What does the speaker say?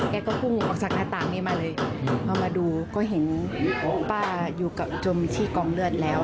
แกก็พุ่งออกจากหน้าต่างนี้มาเลยพอมาดูก็เห็นป้าอยู่กับจมที่กองเลือดแล้ว